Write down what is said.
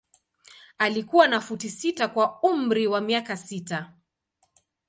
Alikuwa na futi sita kwa umri wa miaka sita.